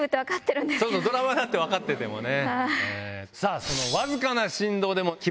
ドラマだって分かっててもね。